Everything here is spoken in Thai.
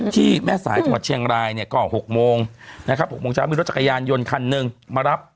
ที่แม่สายจังหวัดเชียงรายเนี่ยก็๖โมงนะครับ๖โมงเช้ามีรถจักรยานยนต์คันหนึ่งมารับ